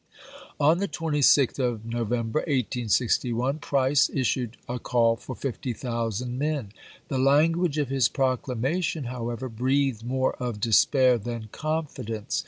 On the 26th of November, 1861, Price issued a call for fifty thousand men. The language of his proclamation, however, breathed more of despair than confidence.